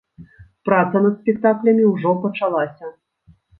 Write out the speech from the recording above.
Праца над спектаклямі ўжо пачалася.